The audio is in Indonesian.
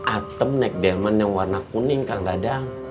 atem naik delman yang warna kuning kak dadang